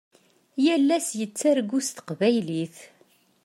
Yal ass yettargu s teqbaylit.